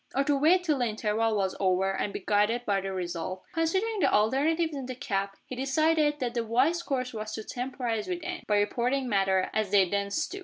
Or to wait till the interval was over, and be guided by the result? Considering the alternatives in the cab, he decided that the wise course was to temporize with Anne, by reporting matters as they then stood.